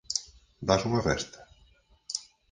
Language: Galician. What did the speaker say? Dás unha festa?